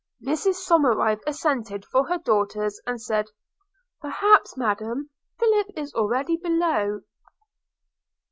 Mrs Somerive assented for her daughters, and said, 'Perhaps, Madam, Philip is already below.'